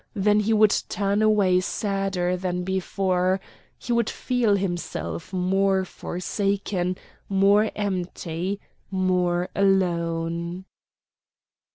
Then he would turn away sadder than before; he would feel himself more forsaken, more empty, more alone.